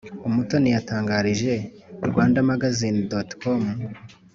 umutoni yatangarije rwandamagazine.com